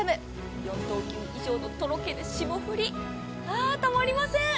４等級以上のとろける霜降りたまりません。